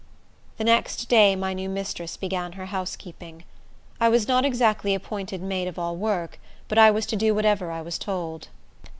The next day my new mistress began her housekeeping. I was not exactly appointed maid of all work; but I was to do whatever I was told.